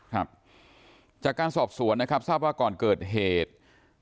ครับจากการสอบสวนนะครับทราบว่าก่อนเกิดเหตุ